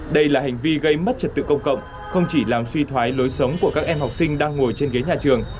đây là hành vi gây mất trật tự công cộng không chỉ làm suy thoái lối sống của các em học sinh đang ngồi trên ghế nhà trường